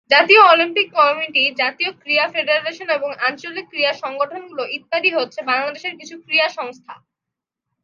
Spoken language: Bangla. জাতীয় অলিম্পিক কমিটি, জাতীয় ক্রীড়া ফেডারেশন এবং আঞ্চলিক ক্রীড়া সংগঠনগুলো ইত্যাদি হচ্ছে বাংলাদেশের কিছু ক্রীড়া সংস্থা।